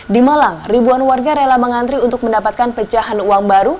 di malang ribuan warga rela mengantri untuk mendapatkan pecahan uang baru